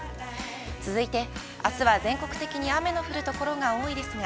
続いてあすは、全国的に雨の降るところが多いですが。